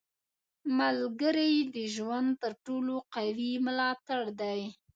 • ملګری د ژوند تر ټولو قوي ملاتړی دی.